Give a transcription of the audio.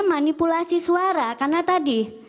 manipulasi suara karena tadi